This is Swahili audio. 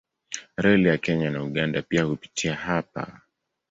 Reli ya Kenya na Uganda pia hupitia hapa.